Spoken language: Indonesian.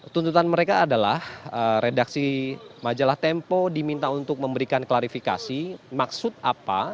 tuntutan mereka adalah redaksi majalah tempo diminta untuk memberikan klarifikasi maksud apa